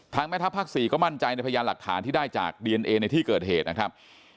แม่ทัพภาค๔ก็มั่นใจในพยานหลักฐานที่ได้จากดีเอนเอในที่เกิดเหตุนะครับ